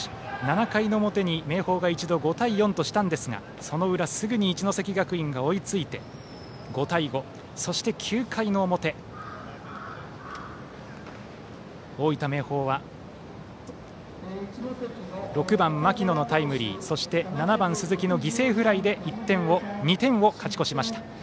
７回の表に、明豊が一度５対４としたんですがその裏すぐに一関学院が追いついて５対５となりそして９回の表大分・明豊は６番、牧野のタイムリーそして、７番鈴木の犠牲フライで２点を勝ち越しました。